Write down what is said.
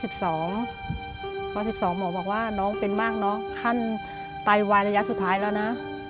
ไป๑๒หมอที่เป็นมากขั้นไตวายระยะสุดท้ายแล้วนะ